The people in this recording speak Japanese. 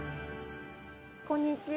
こんにちは。